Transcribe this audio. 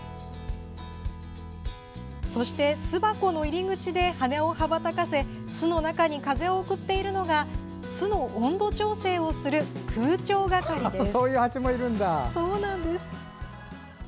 そして巣箱の入り口で羽をはばたかせ巣の中に風を送っているのが巣の温度調整をする空調係です。